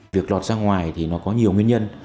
việc lọt ra ngoài thì nó có nhiều nguyên nhân